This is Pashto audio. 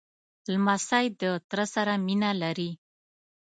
لمسی له تره سره مینه لري.